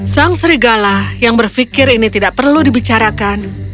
sang serigala yang berpikir ini tidak perlu dibicarakan